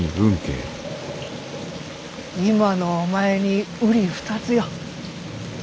今のお前にうり二つよ。